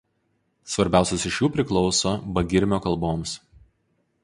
Svarbiausios iš jų priklauso Bagirmio kalboms.